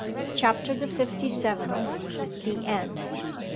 CHAPTER THE FIFTY SEVENTH. THE END.